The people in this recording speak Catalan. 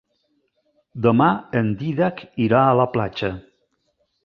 Demà en Dídac irà a la platja.